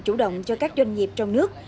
chủ động cho các doanh nghiệp trong nước